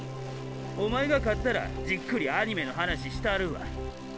おまえが勝ったらじっくりアニメの話したるわ。